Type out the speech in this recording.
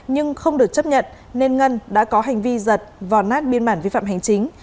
nhưng không được chấp nhận nên ngân đã có hành vi giật vò nát biên bản vi phạm hành chính